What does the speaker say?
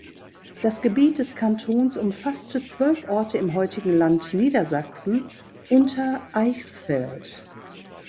Das Gebiet des Kantons umfasste zwölf Orte im heutigen Land Niedersachsen (Untereichsfeld).